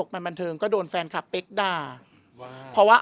วันนี้แฟนครับ